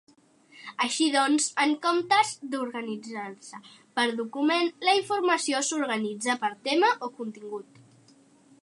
Així doncs, en comptes d'organitzar-se per document, la informació s'organitza per tema o contingut.